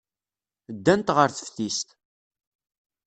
Ddant ɣer teftist.